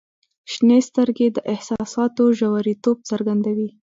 • شنې سترګې د احساساتو ژوریتوب څرګندوي.